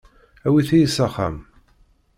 Awit-iyi s axxam.